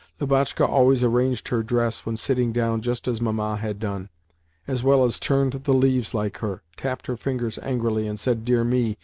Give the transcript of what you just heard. Lubotshka always arranged her dress when sitting down just as Mamma had done, as well as turned the leaves like her, tapped her fingers angrily and said "Dear me!"